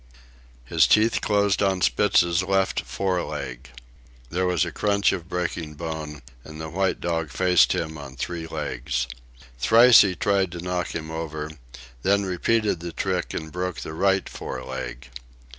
His teeth closed on Spitz's left fore leg. There was a crunch of breaking bone, and the white dog faced him on three legs. Thrice he tried to knock him over, then repeated the trick and broke the right fore leg.